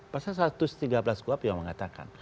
pasal satu ratus tiga belas kuhap yang mengatakan